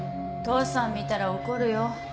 父さん見たら怒るよ。